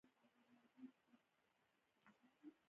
چارمغز د غاښونو روغتیا ته ګټه لري.